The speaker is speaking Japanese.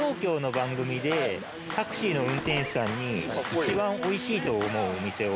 タクシーの運転手さんに一番美味しいと思うお店を。